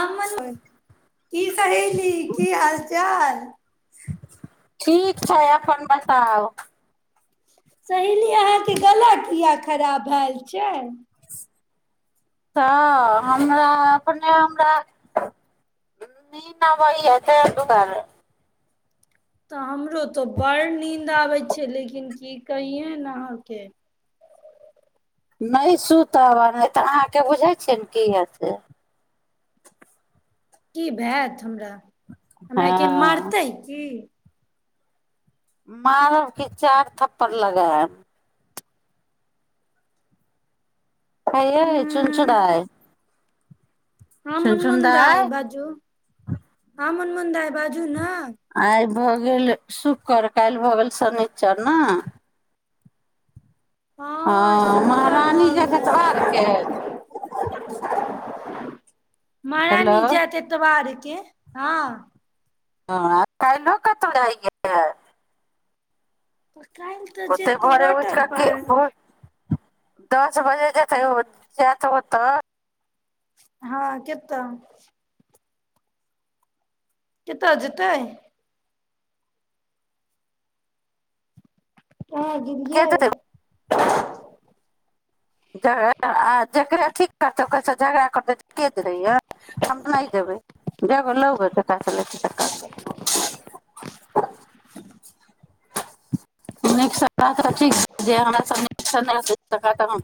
आ मन की सहेली की हाल चाल ठीक छै अपन बताउ सहेली अहाँके गला किया खराब भेल छै तऽ हमरा अपने हमरा नीन नइ दुआरे त हम रो त बर नीन्द आबै छै लेकिन की कहियोन अहाँके नहि सुतब आ नहि तऽ अहाँके बुझै छियै न की हेत से कि भेट हमरा हमरा के हँ मरतै की मारव की चार थप्पड़ लगाइव हये चुन चुराय हँ मुन मुन दाइ बाजू ह मुन मुन बाजू न आय भऽ गेल शुक्रर काल्हि भऽ गेल शनिचर न हँ शुक्र महारानी भऽ जैत गेल इतबार के हेलो महारानी जायत एतबार के हँ ह काईलो कतहु जाइ गेलिये त काल्हि तऽ जेतै भोरे उठि वाटर कऽ के पार्क भोर दस बजे जेतै ओ जायत ओतअ हँ केतअ कतअ जतै कहाँ आ गेलियै जक ठ झगड़ा नहिब नीकसँ तऽ ठीक छै जे हमरास नीकसँ नहि स सकत अह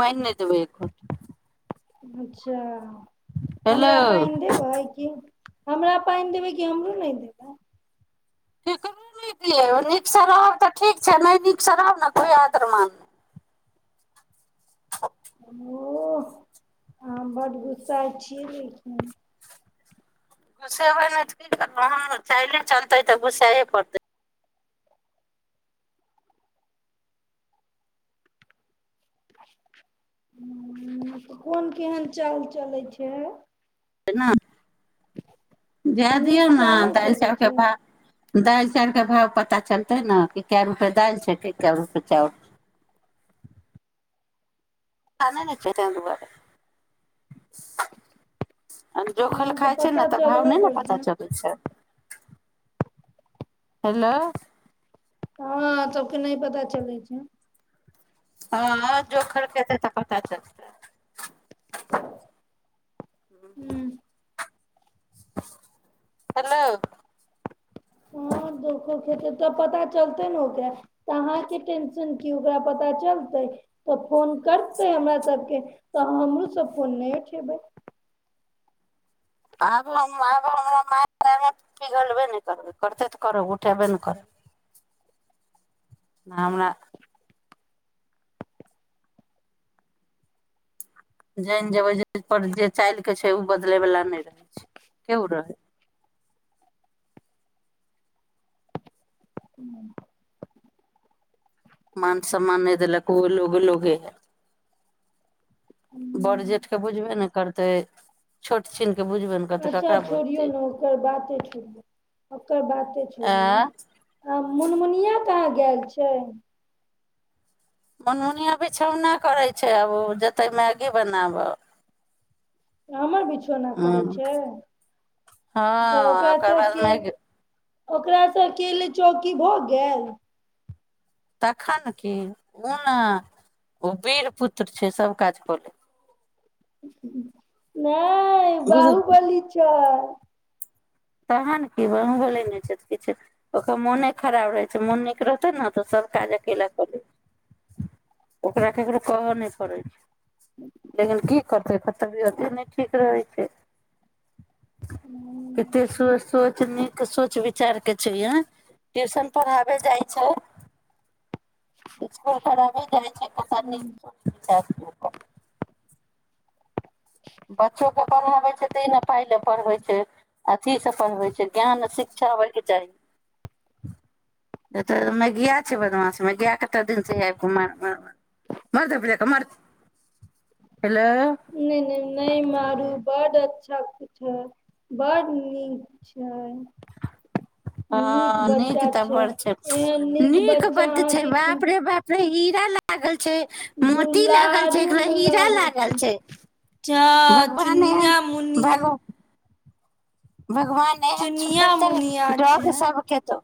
पाइन नइ देबै एक घोट अच्छा हेलो हमरा पाइन देबै की हमरा पाइन देबै कि हमरो नइ देबै केकरो नहि दियौ नीकसँ रहब तऽ ठीक छै नहि नीकसँ रहब ने कोइ आतरमान ओह आहाँ बड गुस्साइ छी ओठ गुसेबै नइ त की करबै चाइले चलतै तऽ गुसेए पड़तै ह तऽ कोन केहन चाल चलै छै हना जा नीक दियऔ चाल नहि ने चलै तके छै भाव दालि चाउर के भाव पता चलतै ने कि कए रुपे दालि छै कि कए रुपे चाउर स न छै दुआरे हँ जोखल खाइ छै ने पता तऽ भाव चलबे नहि ने पता करतै चलै छै हेलो हँ सबके नहि पता चलै छै हँ जोखर खत त पता चलतै ह्म हूँ हेलो हँ दुःखो ख हेतै तऽ पता चलतै ने ओकरा तऽ अहाँके टेंशन की ओकरा पता चलतै तऽ फोन करतै हमरा सभके तऽ हमरूँसभ फोन नहि उठेबै आब हम आब हमरा माय पिघलबे ने करबै करतै तऽ करब उठेबे ने करबै नामरा जानि जेबै जाहि पर जे चालि कऽ छै ओ बदलयवला नहि रहै छै केओ रहै मान सम्मान नहि देलक ओ लोग लोगे है बर जेठ के बुझबे ने करतै छोट चिन अच्छा छोड़ियौ ने ओकर बाते छोड़ियौ ओकर बाते छोड़ियौ आँ आ मनमुनिया कहाँ गेल छै मनमुनिया बिछौना करै छै आब ओ जेतै मैगी बनाबह आ हमर बच छ नहि करै छै तऽ हँ ओकर बाद ओकराके मैगी ओकरासँकेेल चौकी भऽ गेल तखन की ओ ने ओ वीर पुत्र छै सभ काज कऽ ले नहि ह बुझ बाहुबली छै तह ने क व ले नहि छै तऽ किछु ओकर मोने खराब रहै छै मोन नीक रहतै ने तऽ सभ काज अकेला कर लै छै ओकरा ककरो कहऽ नहि पड़ै छै लेकिन की करते खत भी होत ठीक रहै छै हू स सोचनी सोच विचारके छै अ ट्यूशन पढ़ाबे जाइ छै इकूल खराब जाइ छै पच बच्चोकेँ पढ़ाबै छै तऽहि ने पाइ ल पढ़बै छै अथसँ पढ़बै छै ज्ञान शिक्षा होबयके चाही तऽ मै गिया छै बदमाश मै गा कतेक दिनसँ आबि कऽ मर्द प मर हेलो न मारु बड अच्छा कछ ह बड़ड नीक ह हँ नीक तबर छै एहन नीक बच्चा बध छै अहाँके के बापरे बापरे ई लागल मोती लागल छै दुलारू एक हीरा मुलारू लागल छै जा भगवान एहन चुनिया मुनिया भगव भगवान एहन चुनिया सुन्दर तऽ मुनिया डॉग छै सबके तो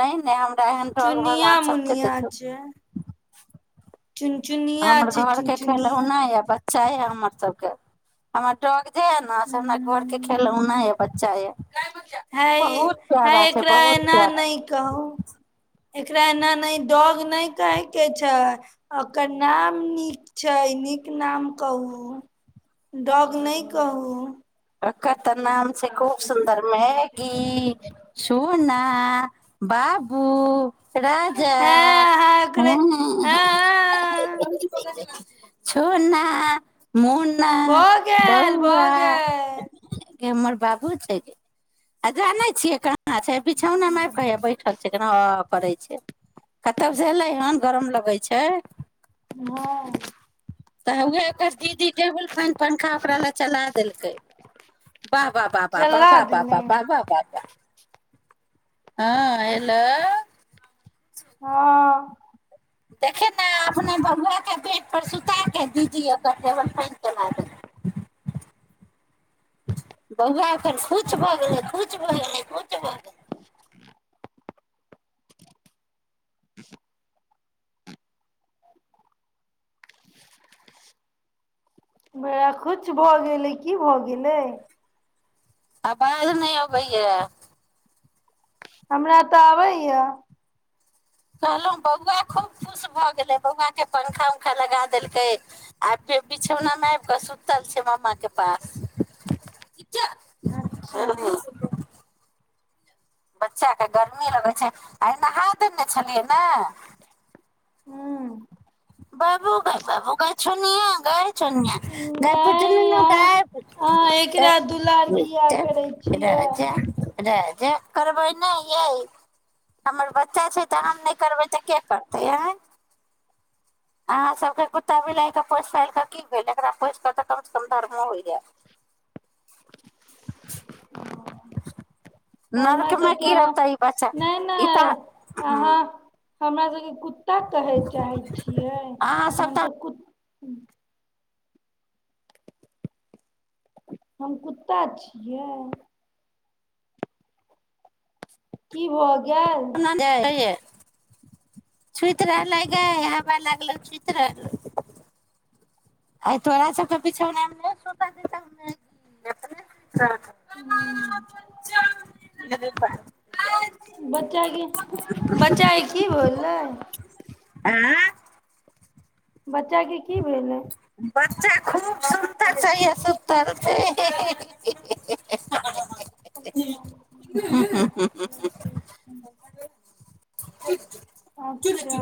नहि नहि एहन तरहक भगवान चुनिया सबके मुनिया देत छै चुनचुनिया हमर छै घर के चुनचुनिया खेलौना य चाही हमर सबके हमर ड जे ने से हमरा घर के हँ खेलहुना बच्चाे है है एकरा बहुत एना प्यारा नहि कहू एकरा एना नहि डॉग नहि कहयके छै ओकर नाम नीक छै नीक नाम कहू डॉग नहि कहू ककतनााम छै खूब सुन्दर मैगी सुूना बाबू राजा हँ अहाँ ह ओकरे हँ छोना मोना बौआ आ हमर बाबू छै आ जाने छियै अच्छा बिछौनाि क बैठल छै के पड़ै छै कतबसँलै हन गरम लगै छै हँ तऽ उएह ओकर दीदी टेबुल पन पंखा ओकरा लए चला देलकै वाबाह वाबा चला वाबा देलै वाबा वाबा वाबा हँ हेलो हँ देखे ने अपने बौआ के बेड पर सुता क दीजी ओ टेल प चला बौआ ओ खुछ भऽ गेल भ गेल भ गेल ह किछु भऽ गेलै की भऽ गेलै आबाज नहि हो भैयए हमरा तऽ आबैए कहलहु बौआ खूब खुश भऽ गेलै बौआ के पंखा उंखा लगा देलकै आब फे बिछौना मे आब कऽ सुूतल छै मामा के पास बुझलियै अच्छा बच्चाके गर्मी लगै छै आ नहा देने छलियै ने हू बाबू ग बाबू ग छो सुन नहि ग प अहाँ अहाँ ग एकरा दुलार मि किया करै छियै राजा राज जे करबै नहि यै हमर बच्चा छै तऽ हम नहि करबै तऽ के करतै आय अहाँ सभके कुत्ता बिलाइ कऽ पोसि फालि कऽ की भेल एकरा पोसि कऽ तऽ कमसँ कम धरमे हो जायत हमरा नरकमे सबके गिरत अहाँ ई बाछा नहि ई तऽ नहि ह अहाँ हमरा ज कुत्ता कहै चाहै छियै अहाँ कि सब तऽ हमस क ह हम कुत्ता छियै की भ ै छूति रहलै गावा लागलै छूति रहल आ तोड़ा सब पीछा नहि सोता देीने ह बच्चाके बच्चाे की होललै आँय बच्चा के की भेलै बच्चा खूब सुतर चाहिए सुतर अच्छा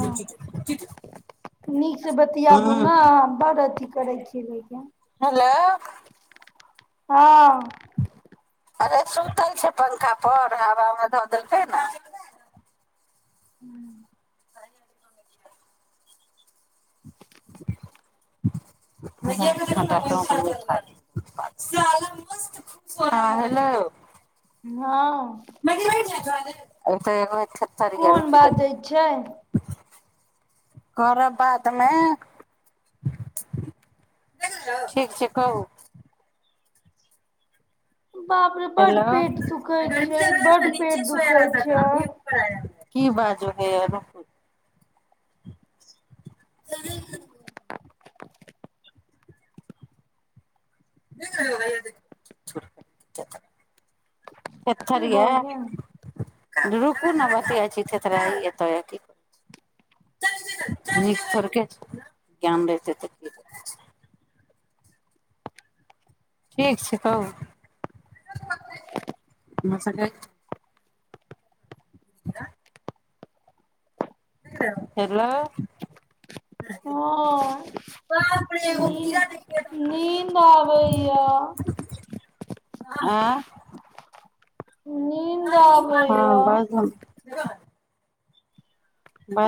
ठीक बतियाबू हँ ने बड़ अ करै छिय लैके हेलो हँ अरे सुतल छै पंखा पर हवामे धऽ देलकै ने ह्म हँ हेलो हँ म र जा छ एतन फोन बाजै छै करब बादमे ठीक छै कहू बाप रे बड हेलो पेट दुखै छै बड पेट दुखे छै की बाजू हैय रु स [unintelligible] [unintelligible] थेथर की ये भऽ गेल रुकू ने बतिया छीठ तऽरा एतो की कर नीक सरके ज्ञान रहे तऽ ठीक छै तब हमस [unintelligible] हेलो हँ नीद नीन्द आबैया आ नींद हँ आबैया बस ह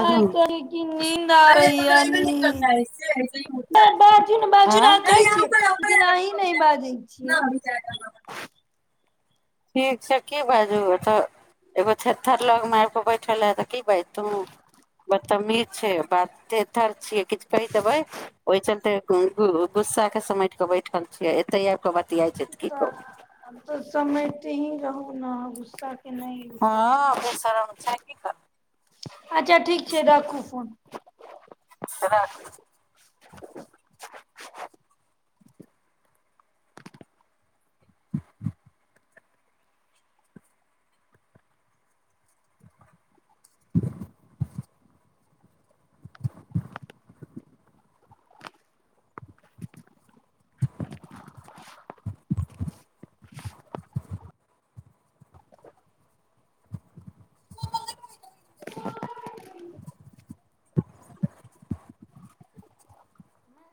आइ कहे क नींन्द आबैया नीद बाजू ने बाजू ने आँ कहै छियै लेकिन अही नहि बाजै छियै ठीक छै की बाजू ए तऽ एगो थेर थर लग मारि पे बैठल ह त की भाय तू ब तमीर छै बातेथर छियै किछु कहि देबे ओहि चलते गुस्सा के समेट के बैठल छियै एते आब क ब तऽ हम तऽ समय जे ही रहू ने गुस्सा हँ नहि बेसरम छै की करबै अच्छा ठीक छै र खू फन कना [unintelligible] [unintelligible]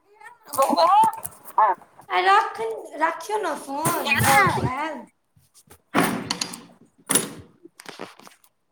हँ आ रख रख केना फोन भऽ गेल [inaudible]